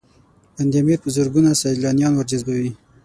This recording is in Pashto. بند امیر په زرګونه سیلانیان ورجذبوي